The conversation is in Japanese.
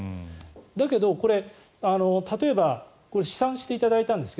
だけど、例えば試算していただいたんですが